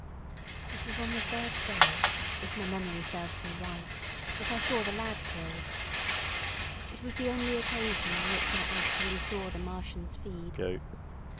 It was on the third day, if my memory serves me right, that I saw the lad killed. It was the only occasion on which I actually saw the Martians feed.